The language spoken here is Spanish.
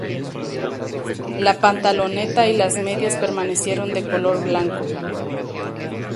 La pantaloneta y las medias permanecieron de color blanco.